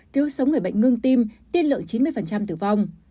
cứu sống người bệnh ngưng tim lượng chín mươi tử vong